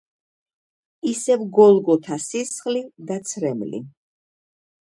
ისევ გოლგოთა სისხლი და ცრემლი.